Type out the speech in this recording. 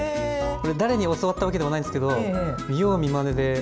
これ誰に教わったわけではないんですけど見よう見まねで。